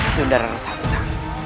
ibu nda rasa